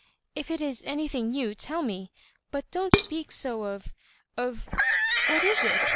"If it is anything new tell me, but don't speak so of — of What is it